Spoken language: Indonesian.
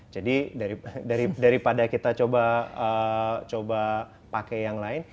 jadi daripada kita coba pakai yang lain